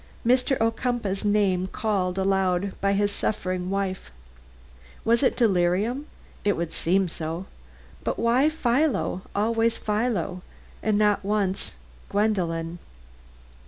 Philo!" Mr. Ocumpaugh's name called aloud by his suffering wife. Was she in delirium? It would seem so; but why Philo! always Philo! and not once Gwendolen?